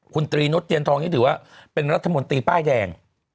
คุณตรีนุษยเตียนทองนี่ถือว่าเป็นรัฐมนตรีป้ายแดง